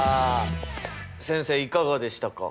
先生いかがでしたか。